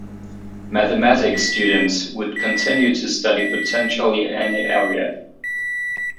Mathematics students would continue to study potentially any area.